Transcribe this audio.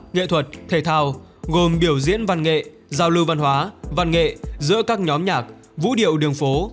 nghệ thuật thể thao gồm biểu diễn văn nghệ giao lưu văn hóa văn nghệ giữa các nhóm nhạc vũ điệu đường phố